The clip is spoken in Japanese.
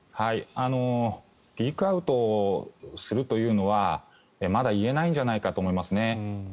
ピークアウトするというのはまだ言えないんじゃないかと思いますね。